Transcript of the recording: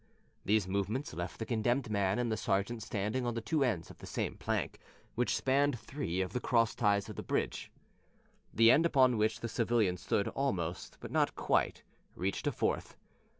These movements left the condemned man and the sergeant standing on the two ends of the same plank, which spanned three of the cross ties of the bridge. The end upon which the civilian stood almost, but not quite, reached a fourth.